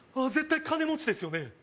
絶対金持ちですよね？